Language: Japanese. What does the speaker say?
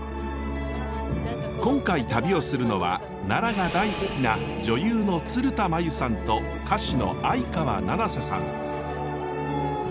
今回旅をするのは奈良が大好きな女優の鶴田真由さんと歌手の相川七瀬さん。